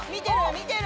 見てる！